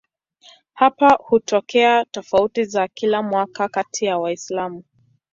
Hapa hutokea tofauti za kila mwaka kati ya Waislamu.